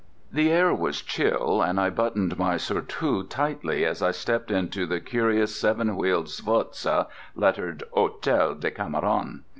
The air was chill, and I buttoned my surtout tightly as I stepped into the curious seven wheeled sforza lettered Hôtel Decameron.